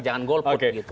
jangan golput gitu